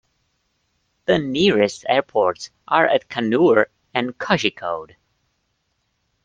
The nearest airports are at Kannur and Kozhikode.